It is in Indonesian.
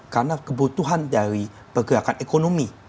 karena kebutuhan dari pergerakan ekonomi